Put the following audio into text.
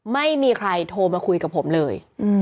ไม่มีใครโทรมาคุยกับผมเลย